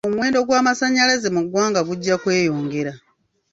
Omuwendo gw'amasannyalaze mu ggwanga gujja kweyongera.